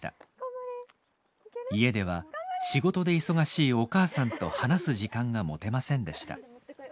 家では仕事で忙しいお母さんと話す時間が持てませんでした。